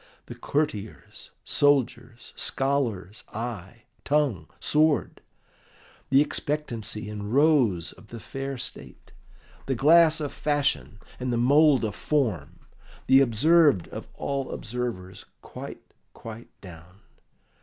"The courtier's, soldier's, scholar's eye, tongue, sword; the expectancy and rose of the fair state, the glass of fashion, and the mould of form, the observed of all observers quite, quite down!